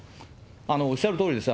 おっしゃるとおりです。